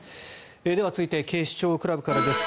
では続いて警視庁クラブからです。